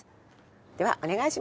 ではお願いします。